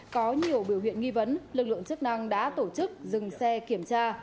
có nhiều biểu hiện nghi vấn lực lượng chức năng đã tổ chức dừng xe kiểm tra